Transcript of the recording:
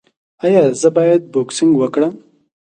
ایا زه باید بوکسینګ وکړم؟